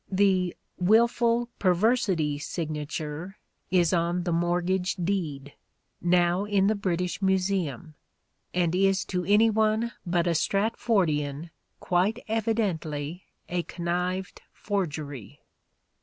The " wilful perversity " signature is on the mortgage deed, now in the British Museum, and is to any one but a Stratfordian quite evidently a connived forgery.